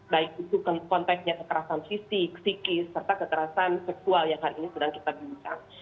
baik itu konteksnya kekerasan fisik psikis serta kekerasan seksual yang hari ini sedang kita bincang